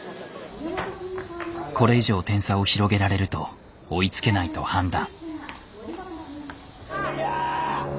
これ以上点差を広げられると追いつけないと判断。